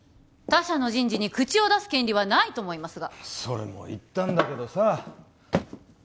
他社の人事に口を出す権利はないと思いますがそれも言ったんだけどさ